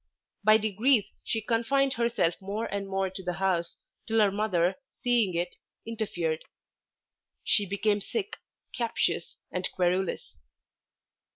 By degrees she confined herself more and more to the house, till her mother seeing it, interfered. She became sick, captious, and querulous.